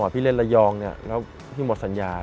พี่เล่นระยองแล้วพี่หมดสัญญา